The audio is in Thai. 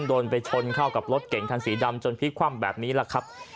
โดนไปชนเข้ากับรถเก่งคันสีดำจนพลิกคว่ำแบบนี้แหละครับ